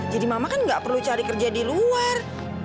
jadi mama kan gak perlu cari kerja di luar